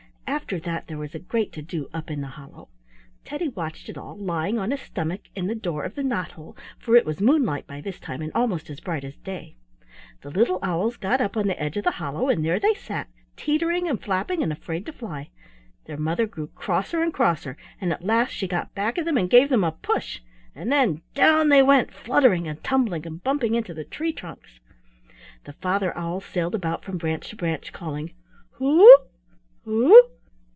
After that there was a great to do up in the hollow. Teddy watched it all lying on his stomach in the door of the knot hole, for it was moonlight by this time and almost as bright as day. The little owls got up on the edge of the hollow and there they sat, teetering and flapping and afraid to fly. Their mother grew crosser and crosser, and at last she got back of them and gave them a push, and then down they went, fluttering and tumbling and bumping into the tree trunks. The Father Owl sailed about from branch to branch, calling, "Who o o o! Who o o!